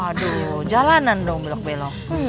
aduh jalanan dong belok belok